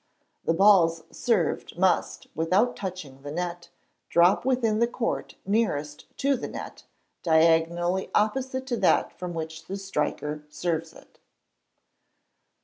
The balls served must, without touching the net, drop within the court nearest to the net, diagonally opposite to that from which the striker serves it.